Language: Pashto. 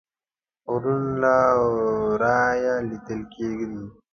غرونه له ورایه لیدل کیږي